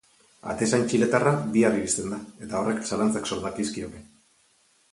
Atezain txiletarra bihar iristen da eta horrek zalantzak sor dakizkioke.